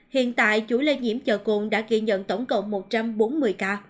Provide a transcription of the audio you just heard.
hiện tại chuỗi lây nhiễm chợ cồn đã ghi nhận tổng cộng một trăm bốn mươi ca